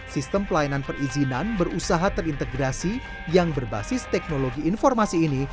sistem pelayanan perizinan berusaha terintegrasi yang berbasis teknologi informasi ini